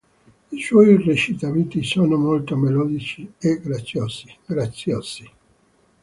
I suoi recitativi sono molto melodici e graziosi.